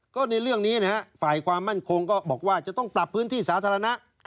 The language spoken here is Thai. ก็ในเรื่องนี้นะฮะฝ่ายความมั่นคงก็บอกว่าจะต้องปรับพื้นที่สาธารณะ